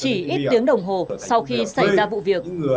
chỉ ít tiếng đồng hồ sau khi xảy ra vụ việc